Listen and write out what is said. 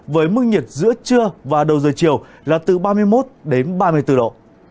với mức nhiệt giữa trưa và đầu giờ chiều là từ ba mươi một đến ba mươi bốn độ